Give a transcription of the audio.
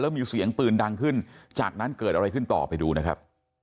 มีเสียงปืนดังขึ้นจากนั้นเกิดอะไรขึ้นต่อไปดูนะครับ